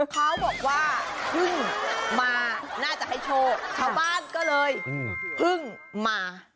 เขาบอกว่าเพิ่งมาน่าจะให้โชคชาวบ้านก็เลยเพิ่งมา